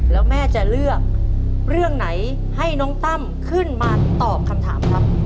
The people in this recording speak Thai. แล้วแม่จะเลือกเรื่องไหนให้น้องตั้มขึ้นมาตอบคำถามครับ